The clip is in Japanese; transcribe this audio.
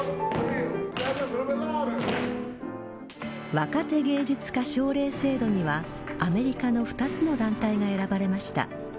若手芸術家奨励制度にはアメリカの２つの団体が選ばれました。